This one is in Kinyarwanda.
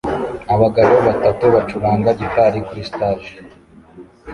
Abagabo batatu bacuranga gitari kuri stage